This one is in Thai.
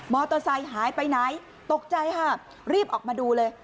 มไซหายไปไหนตกใจค่ะรีบออกมาดูเลย